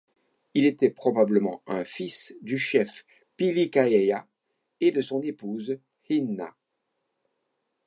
Il était probablement un fils du chef Pilikaaiea et de son épouse Hina.